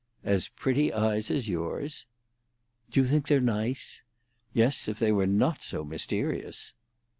"As pretty eyes as yours?" "Do you think they're nice?" "Yes, if they were not so mysterious."